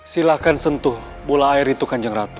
silahkan sentuh bola air itu kanjeng ratu